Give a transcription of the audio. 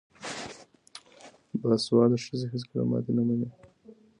باسواده ښځې هیڅکله ماتې نه مني.